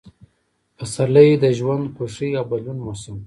پسرلی – د ژوند، خوښۍ او بدلون موسم